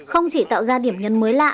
không chỉ tạo ra điểm nhân mới lạ